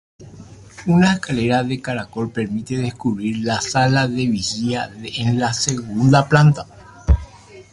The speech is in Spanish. Una escalera de caracol permite descubrir la sala de vigía en la segunda planta.